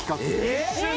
えっ！？